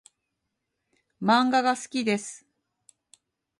漫画が好きです。